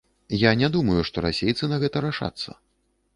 Я не думаю, што расейцы на гэта рашацца.